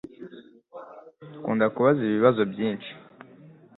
Akunda kubaza ibibazo byinshi.